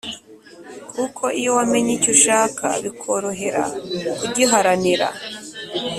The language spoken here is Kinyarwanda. kuko iyo wamenye icyo ushaka bikorohera kugiharanira.